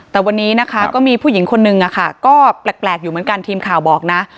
แต่วันนี้นะคะก็มีผู้หญิงคนนึงอะค่ะก็แปลกอยู่เหมือนกันทีมข่าวบอกนะ